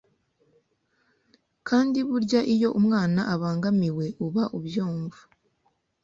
kandi burya iyo umwana abangamiwe uba ubyumva.”